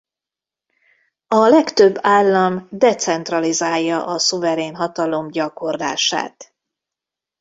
A legtöbb állam decentralizálja a szuverén hatalom gyakorlását.